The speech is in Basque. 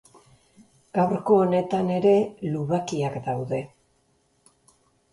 Gaurko honetan ere lubakiak daude.